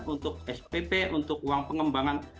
untuk spp untuk uang pengembangan